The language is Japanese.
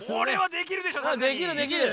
できるできる。